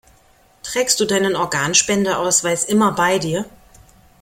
Trägst du deinen Organspendeausweis immer bei dir?